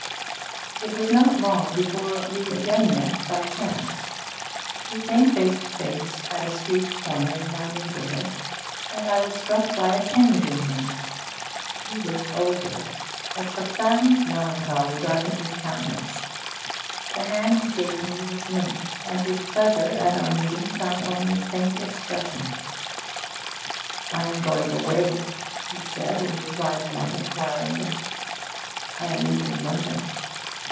It was not long before we again met by chance. We came face to face at a street corner in my neighbourhood, and I was struck by a change in him. He looked older; a profound melancholy darkened his countenance; the hand he gave me was limp, and his pleasure at our meeting found only a faint expression. 'I am going away,' he said in reply to my inquiring look. 'I am leaving London.'